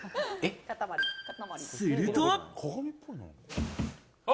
すると。